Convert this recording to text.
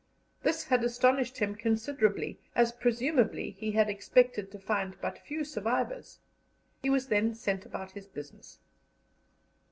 This had astonished him considerably, as presumably he had expected to find but few survivors. He was then sent about his business.